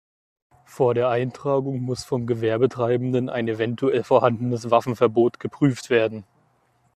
Vor der Eintragung muss vom Gewerbetreibenden ein eventuell vorhandenes Waffenverbot geprüft werden.